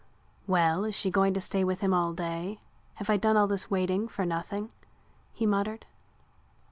"Well, is she going to stay with him all day? Have I done all this waiting for nothing?" he muttered.